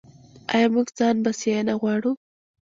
آیا موږ ځان بسیاینه غواړو؟